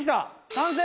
完成！